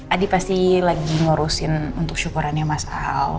adi pasti lagi ngurusin untuk syukurannya mas al